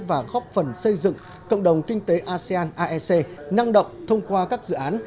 và góp phần xây dựng cộng đồng kinh tế asean aec năng động thông qua các dự án